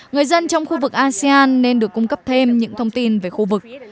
người dân trong khu vực asean nên được cung cấp thêm những thông tin về khu vực